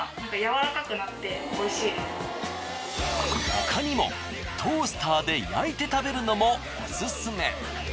他にもトースターで焼いて食べるのもオススメ。